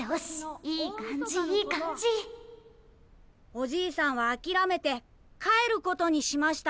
「おじいさんは諦めて帰ることにしました」。